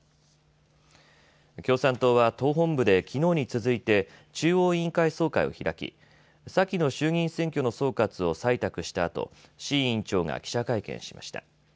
共産党は党本部できのうに続いて中央委員会総会を開き先の衆議院選挙の総括を採択したあと志位委員長が記者会見しました。